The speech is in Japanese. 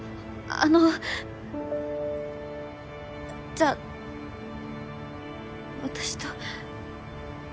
あのじゃあ私と。